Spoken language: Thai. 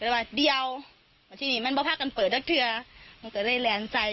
ก็เลยว่าเดี๋ยวที่นี่มันบ้าพากันเปิดดักเทือมันก็เลยแหลนใจ